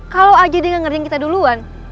kalo aja dia ga ngerjang kita duluan